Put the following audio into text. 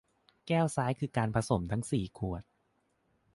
แก้วซ้ายคือการผสมทั้งสี่ขวด